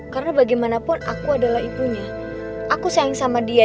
karena bagaimanapun aku adalah ibunya aku sayang sama dia